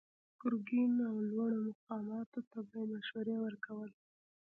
ګرګين او لوړو مقاماتو ته به يې مشورې ورکولې.